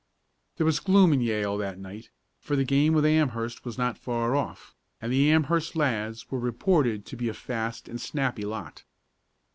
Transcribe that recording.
There was gloom in Yale that night, for the game with Amherst was not far off, and the Amherst lads were reported to be a fast and snappy lot.